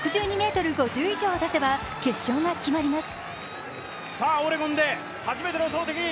６２ｍ５０以上出せば決勝が決まります